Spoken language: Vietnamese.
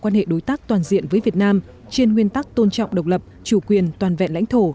quan hệ đối tác toàn diện với việt nam trên nguyên tắc tôn trọng độc lập chủ quyền toàn vẹn lãnh thổ